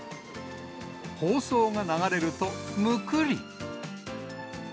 放送が流れるとむくり。